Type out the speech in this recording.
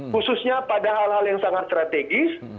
khususnya pada hal hal yang sangat strategis